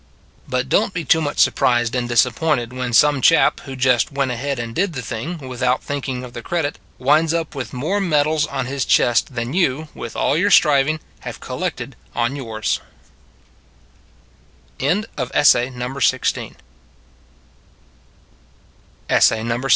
But don t be too much surprised and disappointed when some chap who just went ahead and did the thing, without thinking of the credit, winds up with more medals on his chest than you, with all your striving, have collected on yours.